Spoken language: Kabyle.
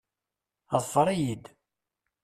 Ḍfeṛ-iyi-d.